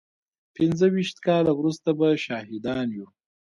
پينځه ويشت کاله وروسته به شاهدان يو.